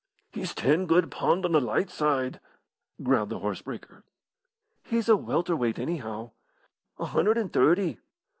"He's ten good pund on the light side," growled the horse breaker. "He's a welter weight, anyhow." "A hundred and thirty."